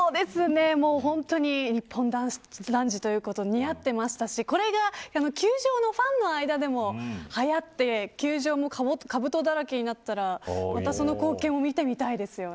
本当に日本男児ということで似合っていましたしこれが球場のファンの間でもはやって、球場もかぶとだらけになったらまたその光景も見てみたいですよね。